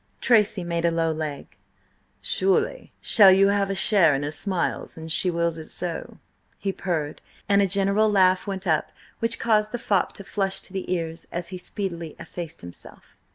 Tracy made a low leg. "Surely shall you have a share in her smiles an she wills it so," he purred, and a general laugh went up which caused the fop to flush to the ears, as he speedily effaced himself.